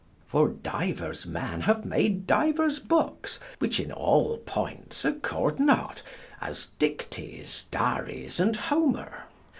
For divers men have made divers books which in all points accord not, as Dictes, Dares, and Homer.